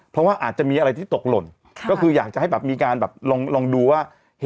เพราะว่าอาจจะมีอะไรที่ตกหล่นก็คืออยากจะให้แบบมีการแบบลองดูว่า